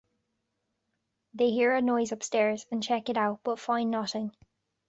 They hear a noise upstairs and check it out, but find nothing.